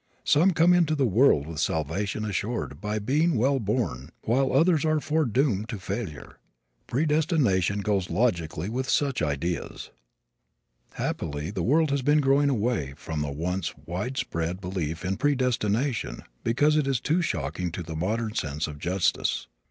Some come into the world with salvation assured by being well born while others are foredoomed to failure. Predestination goes logically with such ideas. Happily the world has long been growing away from the once wide spread belief in predestination because it is too shocking to the modern sense of justice.